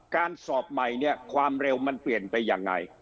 การสอบใหม่เนี่ยความเร็วมันเปลี่ยนไปยังไง